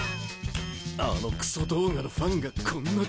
あのクソ動画のファンがこんな所に。